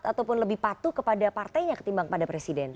ataupun lebih patuh kepada partainya ketimbang pada presiden